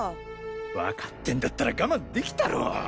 わかってんだったらガマンできたろ。